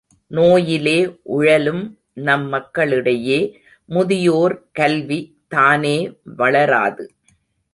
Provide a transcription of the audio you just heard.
நோயிலே உழலும் நம் மக்களிடையே, முதியோர் கல்வி, தானே வளராது.